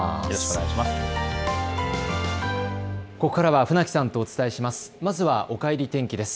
ここからは船木さんとお伝えします。